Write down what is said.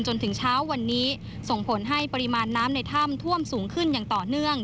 จนถึงเช้าวันนี้ส่งผลให้ปริมาณน้ำในถ้ำท่วมสูงขึ้นอย่างต่อเนื่อง